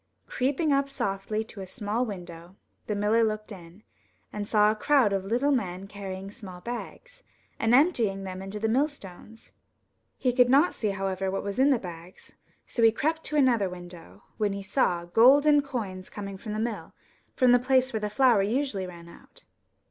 Creeping up softly to a small window, the miller looked in, and saw a crowd of little men carrying small bags, and emptying them into the millstones. Ke could not see, however, what was in the bags, so he crept to another window, when he saw golden coins coming from the mill, from the place where the flour usually ran out.